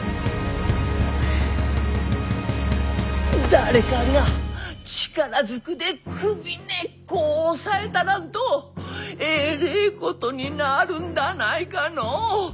誰かが力ずくで首根っこを押さえたらんとえれえことになるんだないかのう。